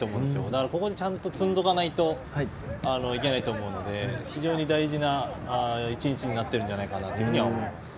だから、ここでちゃんと積んでおかないといけないので非常に大事な１日になってるんじゃないかなと思います。